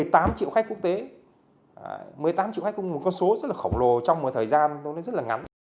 một mươi tám triệu khách quốc tế một mươi tám triệu khách cũng là một con số rất là khổng lồ trong một thời gian rất là ngắn